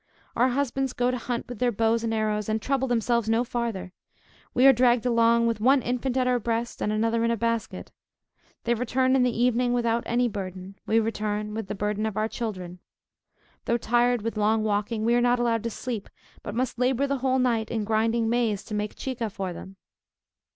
Our husbands go to hunt with their bows and arrows, and trouble themselves no farther: we are dragged along with one infant at our breast, and another in a basket. They return in the evening without any burden; we return with the burden of our children. Though tired with long walking, we are not allowed to sleep, but must labor the whole night, in grinding maize to make chica for them.